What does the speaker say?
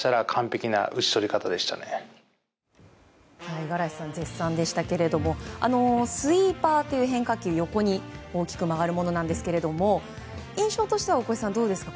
五十嵐さん絶賛でしたがスイーパーという変化球横に大きく曲がるものなんですが印象としては大越さん、どうですか？